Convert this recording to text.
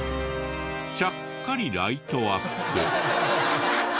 ちゃっかりライトアップ。